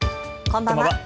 こんばんは。